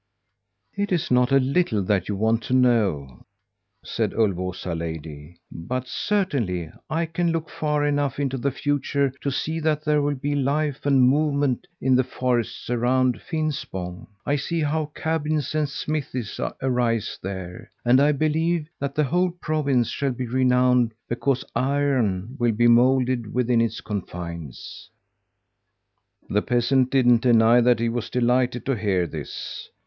"'It's not a little that you want to know,' said Ulvåsa lady, 'but, certainly, I can look far enough into the future to see that there will be life and movement in the forests around Finspång. I see how cabins and smithies arise there, and I believe that the whole province shall be renowned because iron will be moulded within its confines.' "The peasant didn't deny that he was delighted to hear this.